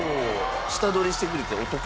下取りしてくれてお得？